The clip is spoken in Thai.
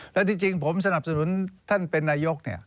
และที่จริงผมสนับสนุนท่านเป็นนายก